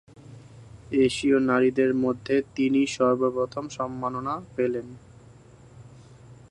এশীয় নারীদের মধ্যে তিনিই সর্বপ্রথম এ সম্মাননা পেলেন।